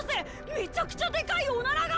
めちゃくちゃでかいオナラが！